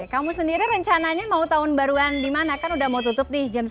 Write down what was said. kamu sendiri rencananya mau tahun baruan di mana kan udah mau tutup nih jam sembilan